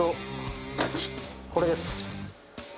これです。